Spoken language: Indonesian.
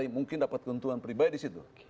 mungkin dapat keuntungan pribadi di situ